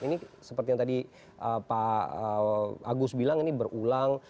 ini seperti yang tadi pak agus bilang ini berulang